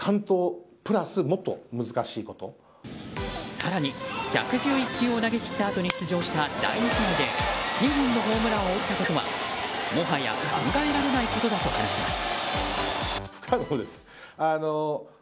更に１１１球を投げ切ったあとに出場した第２試合で２本のホームランを打ったことはもはや考えられないことだと話します。